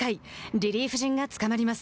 リリーフ陣が捕まります。